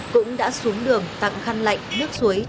cũng đã xuống đường tặng khăn lạnh nước suối